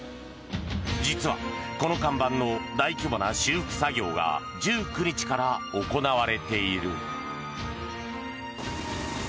実は、この看板の大規模な修復作業が１９日から行われている。